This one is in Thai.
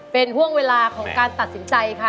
เป็นห่วงเวลาของการตัดสินใจค่ะ